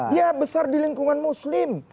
dia besar di lingkungan muslim